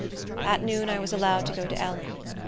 At noon I was allowed to go to Ellen.